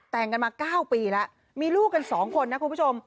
แต่งกันมา๙ปีแล้วมีลูกกัน๒คนนะคุณผู้ชม